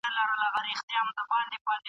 احصائيه د ټولنپوهني سترګي دي.